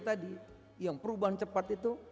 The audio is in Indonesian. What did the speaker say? tadi yang perubahan cepat itu